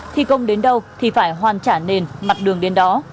thi công đến đâu thì phải hoàn trả nền mặt đường đến đó